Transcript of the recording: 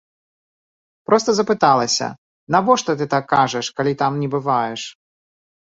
Проста запыталася, навошта ты так кажаш, калі там не бываеш?